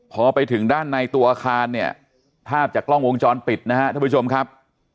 พอไปถึงด้านในตัวอาคารเนี่ยภาพจากกล้องวงจรปิดนะฮะท่านผู้ชมครับ